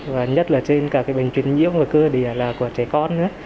và nhất là trên cả cái bệnh chuyển nhiễu và cơ địa là của trẻ con